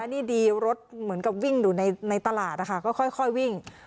นี่ดีรถเหมือนกับวิ่งอยู่ในตลาดนะคะก็ค่อยวิ่ง